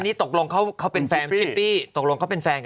นี่ตกลงเขาเป็นแฟนชิปปี้ตกลงเขาเป็นแฟนกัน